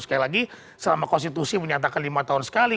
sekali lagi selama konstitusi menyatakan lima tahun sekali